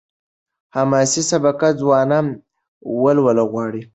حماسي سبک ځوانه ولوله غواړي.